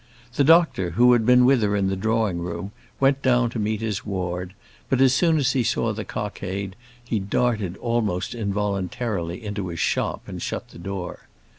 The doctor, who had been with her in the drawing room, went down to meet his ward, but as soon as he saw the cockade he darted almost involuntarily into his shop and shut the door.